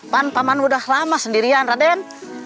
paman sudah lama sendirian aden